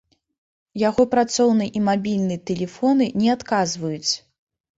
Яго працоўны і мабільны тэлефоны не адказваюць.